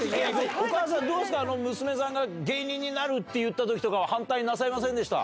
お母さん、どうですか、娘さんが芸人になるって言ったときは、反対なさいませんでした？